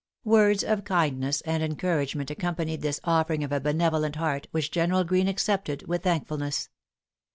Words of kindness and encouragement accompanied this offering of a benevolent heart, which General Greene accepted with thankfulness.